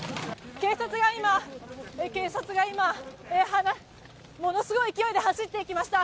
警察が今ものすごい勢いで走っていきました。